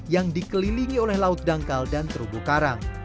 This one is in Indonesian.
yang dikelilingi oleh laut dangkal dan terumbu karang